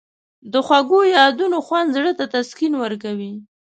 د خوږو یادونو خوند زړه ته تسکین ورکوي.